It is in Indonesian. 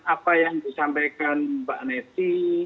apa yang disampaikan mbak neti